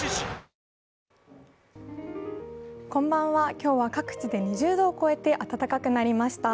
今日は各地で２０度を超えて暖かくなりました。